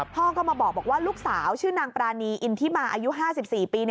พ่อก็มาบอกว่าลูกสาวชื่อนางปรานีอินทิมาอายุ๕๔ปี